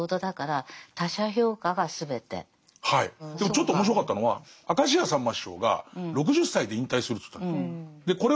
でもちょっと面白かったのは明石家さんま師匠が６０歳で引退すると言ったんです。